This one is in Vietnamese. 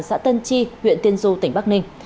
xã tân chi huyện tiên du tỉnh bắc ninh